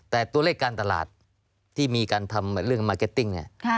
แต่ตัวเลขการตลาดที่มีการทำเรื่องมาร์เก็ตติ้งเนี่ย